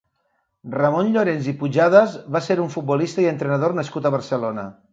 Ramon Llorens i Pujadas va ser un futbolista i entrenador nascut a Barcelona.